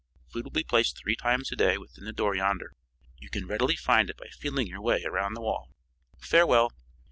Food will be placed three times a day within the door yonder. You can readily find it by feeling your way around the wall. Farewell."